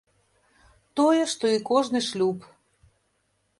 Тое, што і кожны шлюб.